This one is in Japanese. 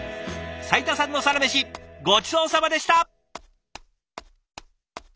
斉田さんのサラメシごちそうさまでした！